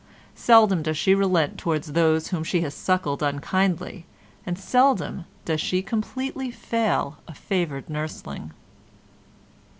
Seldom does she relent towards those whom she has suckled unkindly and seldom does she completely fail a favoured nursling.